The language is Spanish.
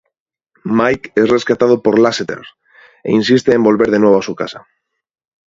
Mike es rescatado por Lasseter e insiste en volver de nuevo a su casa.